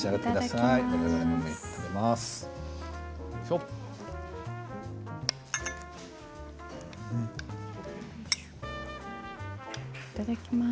いただきます。